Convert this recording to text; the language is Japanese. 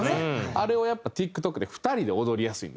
あれをやっぱＴｉｋＴｏｋで２人で踊りやすいんですよね。